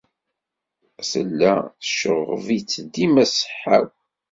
Tella tceɣɣeb-itt dima ṣṣeḥḥa-w.